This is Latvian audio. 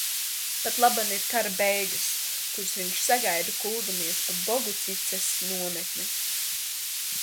Patlaban ir kara beigas, kuras viņš sagaida, kuldamies pa Bogucices nometni.